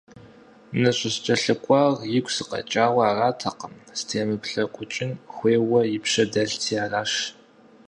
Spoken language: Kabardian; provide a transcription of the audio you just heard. НыщӀыскӀэлъыкӀуар игу сыкъэкӀауэ аратэкъым, стемыплъэкъукӀын хуейуэ и пщэ дэлъти аращ.